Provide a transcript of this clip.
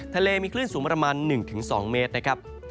ทะเลมีคลื่นสูงประมาณ๑๒เมตรนะครับ